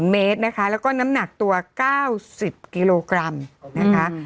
เมตรนะคะแล้วก็น้ำหนักตัว๙๐กิโลกรัมนะคะ